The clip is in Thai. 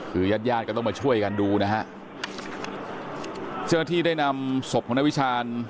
คือยาดก็ต้องมาช่วยกันดูนะฮะเชื่อที่ได้นำศพของนาวิชาญ